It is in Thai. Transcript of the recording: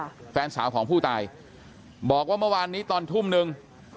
แฟนสาวของผู้ตายบอกว่าเมื่อวานนี้ตอนทุ่มหนึ่ง